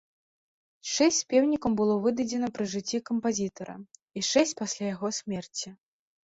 Шэсць спеўнікаў было выдадзена пры жыцці кампазітара, і шэсць пасля яго смерці.